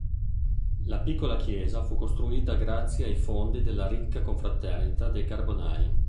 La piccola chiesa fu costruita grazie ai fondi della ricca Confraternita dei Carbonai.